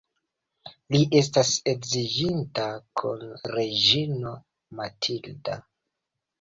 Li estas edziĝinta kun reĝino Matilda.